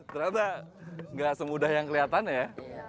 ternyata gak semudah yang kelihatannya ya